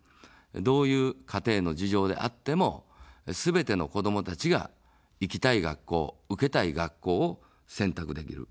どういう家庭の事情であっても、すべての子どもたちが行きたい学校、受けたい学校を選択できる。